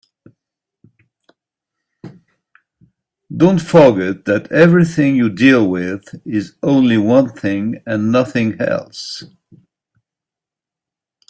Don't forget that everything you deal with is only one thing and nothing else.